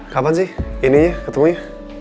kapan sih ininya ketemunya